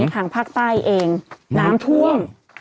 ทางภาคใต้เองน้ำท่วม